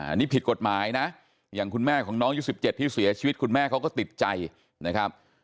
อันนี้ผิดกฎหมายนะอย่างคุณแม่ของน้องยุค๑๗ที่เสียชีวิตคุณแม่เขาก็ติดใจนะครับ